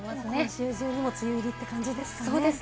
週末にも梅雨入りって感じですかね。